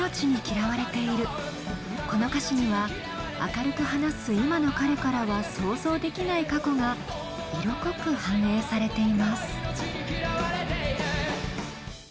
この歌詞には明るく話す今の彼からは想像できない過去が色濃く反映されています。